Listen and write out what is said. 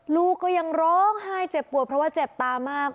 ลูกก็ยังร้องไห้เจ็บปวดเพราะว่าเจ็บตามาก